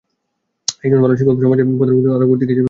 একজন ভালো শিক্ষক সমাজের পথপ্রদর্শক ও আলোকবর্তিকা হিসেবে কাজ করেন।